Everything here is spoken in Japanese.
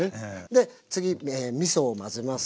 で次みそを混ぜます。